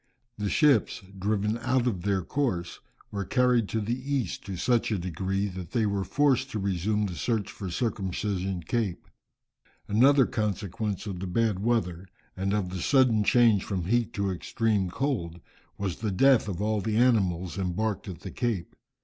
The ships, driven out of their course, were carried to the east, to such a degree that they were forced to resume the search for Circumcision Cape. Another consequence of the bad weather, and of the sudden change from heat to extreme cold was the death of all the animals embarked at the Cape.